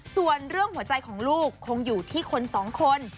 ส่วนเรื่องหัวใจของลูกคงอยู่ที่คนสองคน